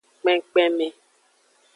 Kpenkpenme.